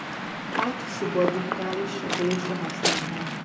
Hat szuborbitális repülésre használták.